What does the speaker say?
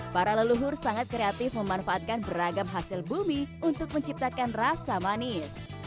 para leluhur sangat kreatif memanfaatkan beragam hasil bumi untuk menciptakan rasa manis